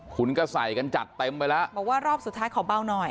คุณก็ใส่กันจัดเต็มไปแล้วบอกว่ารอบสุดท้ายขอเบาหน่อย